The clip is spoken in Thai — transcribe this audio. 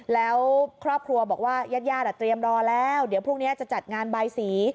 แล้วครอบครัวบอกว่าญาติญาติเตรียมรอแล้วเดี๋ยวพรุ่งนี้จะจัดงานบายสี